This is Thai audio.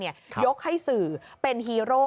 ยกให้สื่อเป็นฮีโร่